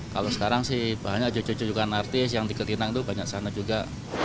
kalau sekarang sih banyak jujukan jujukan artis yang diketinang itu banyak sana juga